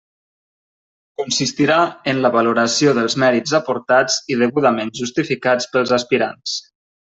Consistirà en la valoració dels mèrits aportats i degudament justificats pels aspirants.